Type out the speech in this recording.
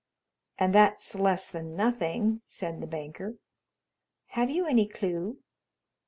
"And that's less than nothing," said the banker. "Have you any clue?"